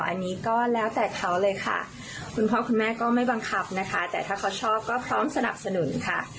อันนี้ก็แล้วแต่เขาเลยค่ะคุณพ่อคุณแม่ก็ไม่บังคับนะคะแต่ถ้าเขาชอบก็พร้อมสนับสนุนค่ะ